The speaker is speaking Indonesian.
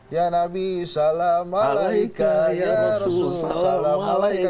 ya nabi salam alaika ya rasul salam alaika